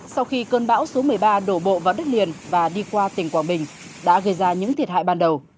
sau khi cơn bão số một mươi ba đổ bộ vào đất liền và đi qua tỉnh quảng bình đã gây ra những thiệt hại ban đầu